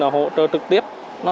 hỗ trợ trực tiếp